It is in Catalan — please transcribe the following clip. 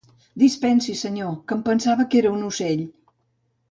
Dispensi, senyor, que em pensava que era un ocell.